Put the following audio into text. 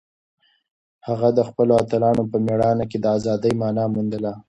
هغه د خپلو اتلانو په مېړانه کې د ازادۍ مانا موندله.